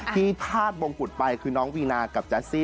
พลาดมงกุฎไปคือน้องวีนากับแจสซี่